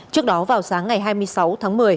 trước đó vào sáng ngày hai mươi sáu tháng một mươi